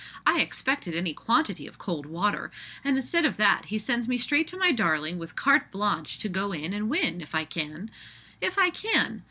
"I expected any quantity of cold water; and instead of that, he sends me straight to my darling with carte blanche to go in and win, if I can. If I can!